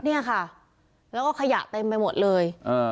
เนี่ยค่ะแล้วก็ขยะเต็มไปหมดเลย